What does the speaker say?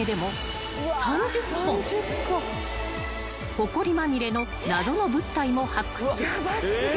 ［ほこりまみれの謎の物体も発掘］